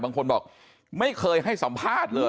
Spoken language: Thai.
บางคนบอกไม่เคยให้สัมภาษณ์เลย